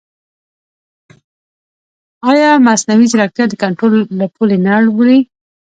ایا مصنوعي ځیرکتیا د کنټرول له پولې نه اوړي؟